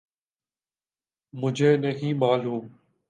مجھے نہیں معلوم۔